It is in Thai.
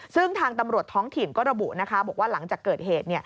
ซึ่งทางตำรวจท้องถิ่นก็ระบุนะคะบอกว่าหลังจากเกิดเหตุ